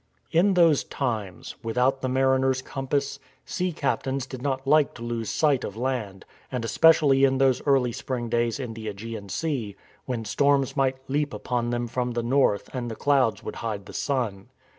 In those times, without the mariner's compass, sea captains did not like to lose sight of land, and espe cially in those earl^ spring days in the ^gean Sea when storms might leap upon them from the north and the clouds would hide the sun.